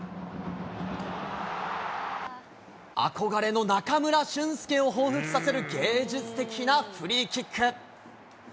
憧れの中村俊輔をほうふつさせる芸術的なフリーキック。